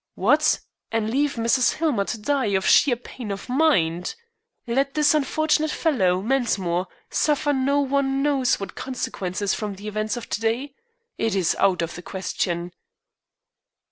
"What, and leave Mrs. Hillmer to die of sheer pain of mind? Let this unfortunate fellow, Mensmore, suffer no one knows what consequences from the events of to day? It is out of the question."